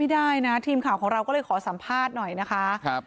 ได้นะทีมข่าวของเราก็เลยขอสัมภาษณ์หน่อยนะคะ